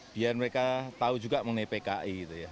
biar mereka tahu juga mengenai pki